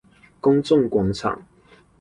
公眾廣場